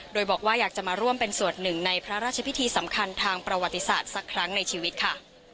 โดยบอกว่าอยากจะมาร่วมเป็นส่วนหนึ่งในพระราชพิธีสำคัญทางประวัติศาสตร์สักครั้งในชีวิตค่ะ